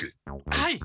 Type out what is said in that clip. はい。